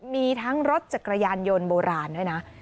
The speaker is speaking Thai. มีทั้งรถจักรยานยนต์โบราณด้วยนะ